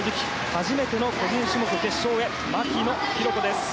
初めての個人種目決勝へ牧野紘子です。